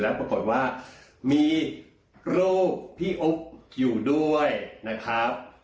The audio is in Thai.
แล้วปรากฏว่ามีรูปพี่อุ๊บอยู่ด้วยนะครับ